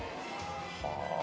はあ。